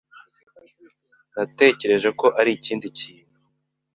Natekereje ko arikindi kintu.